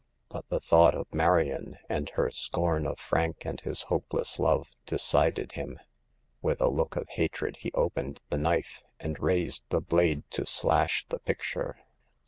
But the thought of Marion and her scortu, 152 Hagar of the Pawn Shop. of Frank and his hopeless love, decided him. With a look of hatred he opened the knife, and raised the blade to slash the picture.